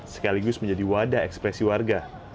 sekaligus menjadi wadah ekspresi warga